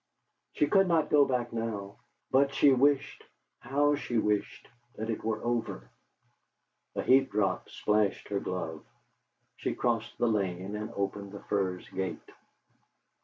She could not go back now; but she wished how she wished! that it were over. A heat drop splashed her glove. She crossed the lane and opened the Firs gate.